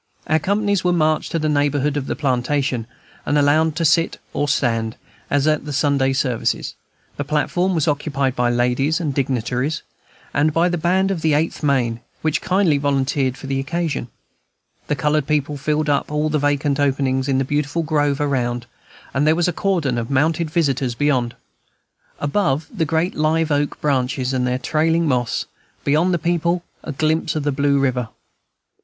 Our companies were marched to the neighborhood of the platform, and allowed to sit or stand, as at the Sunday services; the platform was occupied by ladies and dignitaries, and by the band of the Eighth Maine, which kindly volunteered for the occasion; the colored people filled up all the vacant openings in the beautiful grove around, and there was a cordon of mounted visitors beyond. Above, the great live oak branches and their trailing moss; beyond the people, a glimpse of the blue river.